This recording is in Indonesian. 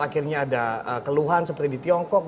akhirnya ada keluhan seperti di tiongkok